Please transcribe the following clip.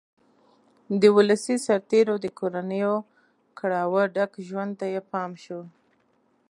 د ولسي سرتېرو د کورنیو کړاوه ډک ژوند ته یې پام شو